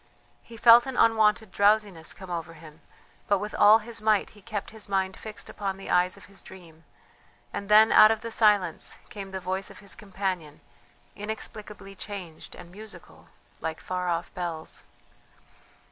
He felt an unwonted drowsiness come over him, but with all his might he kept his mind fixed upon the eyes of his dream, and then out of the silence came the voice of his companion, inexplicably changed and musical, like far off bells.